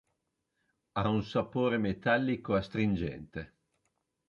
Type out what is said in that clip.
Ha un sapore metallico astringente.